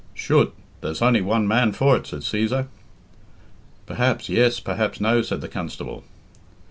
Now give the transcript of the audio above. "Chut! There's only one man for it," said Cæsar. "Perhaps yes, perhaps no," said the constable.